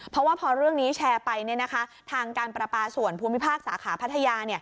เพราะว่าพอเรื่องนี้แชร์ไปทางการประปาส่วนภูมิภาคสาขาพัทยา